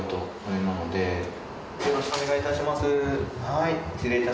はい。